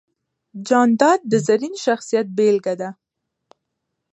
جانداد د زرین شخصیت بېلګه ده.